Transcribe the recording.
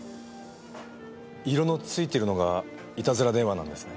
色の付いてるのがいたずら電話なんですね。